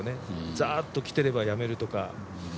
ザーッときてればやめるとか。